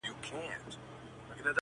گرانه شاعره له مودو راهسي.